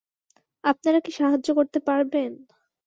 আপনারা কি সাহায্য করতে পারবেন?